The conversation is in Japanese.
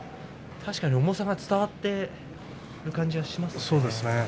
重さが伝わっている感じがしますね。